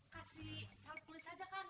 kasih salp mulai saja kan